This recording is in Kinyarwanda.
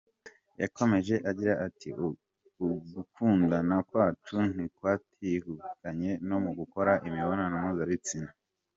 Yakomeje agira ati “Ugukundana kwacu ntikwatwihutanye mu gukora imibonano mpuzabitsina.